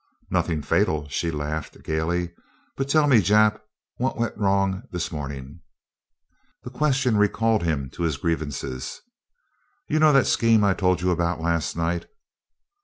"Nothing fatal," she laughed gaily. "But tell me, Jap, what went wrong this morning?" The question recalled him to his grievances. "You know that scheme I told you about last night?"